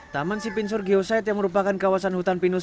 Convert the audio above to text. taman sipin surgeosite yang merupakan kawasan hutan pinus